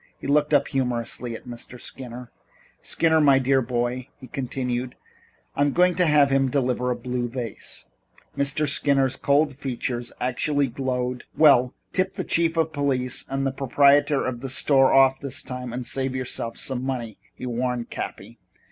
He looked up humorously at Mr. Skinner. "Skinner, my dear boy," he continued, "I'm going to have him deliver a blue vase." Mr. Skinner's cold features actually glowed. "Well, tip the chief of police and the proprietor of the store off this time and save yourself some money," he warned Cappy.